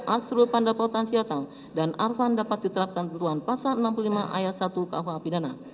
asrul pandat potansiatan dan arfan dapat diterapkan berdua pasal enam puluh lima ayat satu kahwa pidana